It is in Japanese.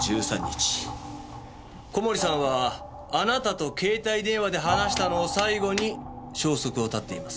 小森さんはあなたと携帯電話で話したのを最後に消息を絶っています。